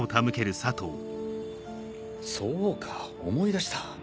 そうか思い出した。